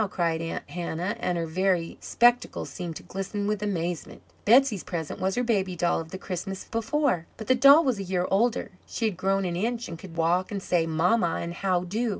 cried Aunt Hannah, and her very spectacles seemed to glisten with amazement. Betsey's present was her doll baby of the Christmas before; but the doll was a year older. She had grown an inch, and could walk and say, "mamma," and "how do?"